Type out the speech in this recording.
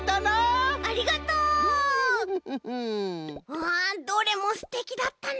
ああどれもすてきだったね。